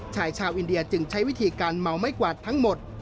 ชายชาวอินเดียจึงใช้วิธีการเมาไม้กวาดทั้งหมด